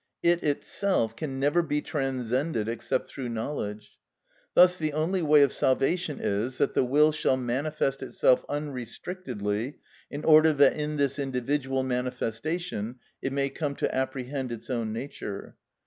It itself can never be transcended except through knowledge. Thus the only way of salvation is, that the will shall manifest itself unrestrictedly, in order that in this individual manifestation it may come to apprehend its own nature.